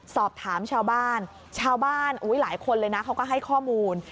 สอบถามชาวบ้านชาวบ้านหลายคนเลยนะเขาก็ให้ข้อมูล